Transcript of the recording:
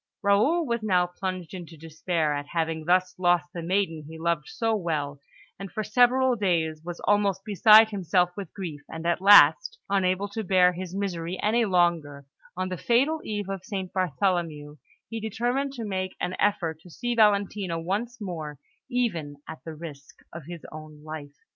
Raoul was now plunged into despair at having thus lost the maiden he loved so well, and for several days was almost beside himself with grief; and at last, unable to bear his misery any longer, on the fatal eve of St. Bartholomew, he determined to make an effort to see Valentina once more even at the risk of his life.